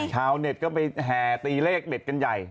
ชาวเน็ตก็ไปแห่ตีเลขเด็ดกันใหญ่